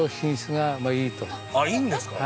あっいいんですか？